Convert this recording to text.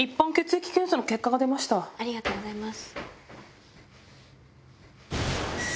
ありがとうございます。